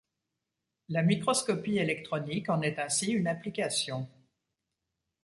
La microscopie électronique en est ainsi une application.